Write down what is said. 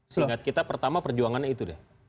sehingga kita pertama perjuangannya itu